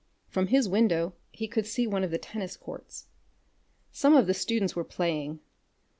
From his window he could see one of the tennis courts. Some of the students were playing.